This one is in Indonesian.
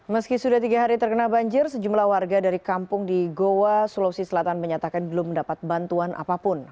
meski sudah tiga hari terkena banjir sejumlah warga dari kampung di goa sulawesi selatan menyatakan belum mendapat bantuan apapun